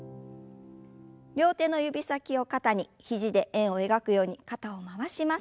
両手の指先を肩に肘で円を描くように肩を回します。